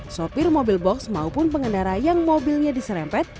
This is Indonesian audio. sopir mobil box maupun pengendara yang mobilnya diserempet